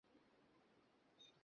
একদিন বাগানে চড়িভাতি করতে গিয়েছিলুম।